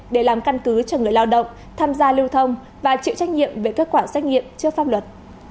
để làm căn cứ cho người lao động tham gia lưu thông và chịu trách nhiệm về kết quả xét nghiệm trước pháp luật